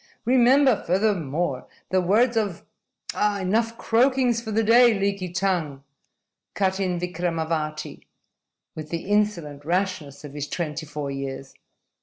Remember, furthermore, the words of " "Enough croakings for the day, Leaky Tongue!" cut in Vikramavati, with the insolent rashness of his twenty four years.